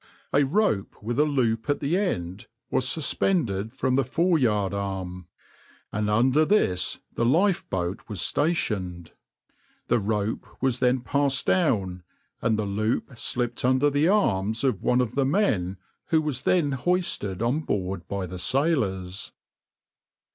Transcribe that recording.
A rope with a loop at the end was suspended from the foreyard arm, and under this the lifeboat was stationed. The rope was then passed down, and the loop slipped under the arms of one of the men, who was then hoisted on board by the sailors.